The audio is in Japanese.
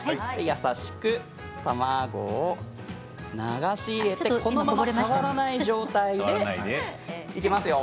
優しく卵流し入れてこのまま触らない状態でいきますよ。